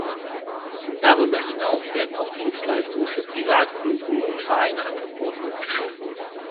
Darüber hinaus werden auch Dienstleistungen für Privatkunden und Vereine angeboten.